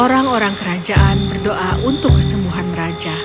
orang orang kerajaan berdoa untuk kesembuhan raja